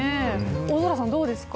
大空さん、どうですか。